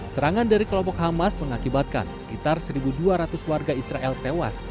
serangan dari kelompok hamas mengakibatkan sekitar satu dua ratus warga israel tewas